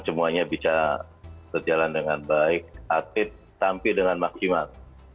semuanya bisa berjalan dengan baik aktif sampai dengan maksimal